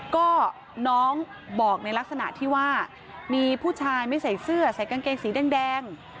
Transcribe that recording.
ก็น้องบอกในลักษณะที่ว่ามีผู้ชายไม่ใส่เสื้อใส่กางเกงสีแดง